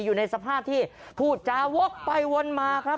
อยู่ในสภาพที่พูดจาวกไปวนมาครับ